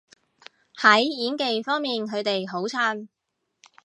喺演技方面佢哋好襯